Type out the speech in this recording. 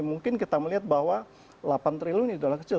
mungkin kita melihat bahwa delapan triliun ini adalah kecil